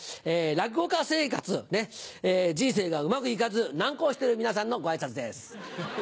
落語家生活人生がうまく行かずナンコウしてる皆さんのご挨拶です。